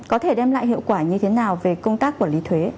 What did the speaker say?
có thể đem lại hiệu quả như thế nào về công tác quản lý thuế